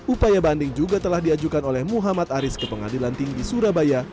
upaya banding juga telah diajukan oleh muhammad aris ke pengadilan tinggi surabaya